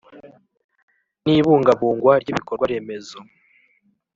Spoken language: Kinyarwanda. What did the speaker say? N ibungabungwa ry ibikorwa remezo